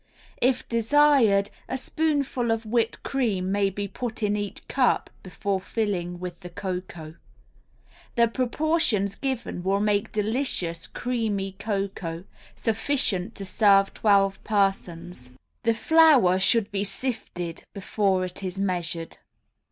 If desired a spoonful of whipped cream may be put in each cup before filling with the cocoa. The proportions given will make delicious, creamy cocoa, sufficient to serve twelve persons. The flour should be sifted before it is measured.